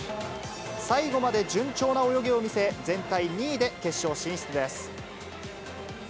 最後まで順調な泳ぎを見せ、全体２位で決勝進出です。